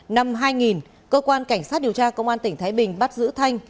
năm hai nghìn cơ quan cảnh sát điều tra công an tỉnh thái bình bắt giữ thanh